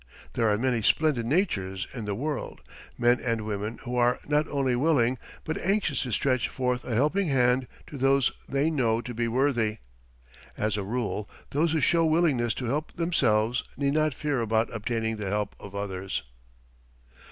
There are many splendid natures in the world men and women who are not only willing, but anxious to stretch forth a helping hand to those they know to be worthy. As a rule, those who show willingness to help themselves need not fear about obtaining the help of others.